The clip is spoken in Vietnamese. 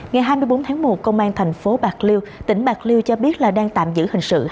ngày hai mươi bốn tháng một công an thành phố bạc liêu tỉnh bạc liêu cho biết là đang tạm giữ hình sự